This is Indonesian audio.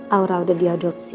aura udah diadopsi